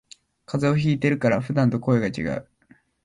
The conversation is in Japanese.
風邪ひいてるから普段と声がちがう